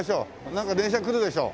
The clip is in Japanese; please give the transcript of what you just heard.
なんか電車来るでしょ。